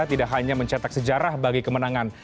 tidak hanya mencetak sejarah bagi kemenangan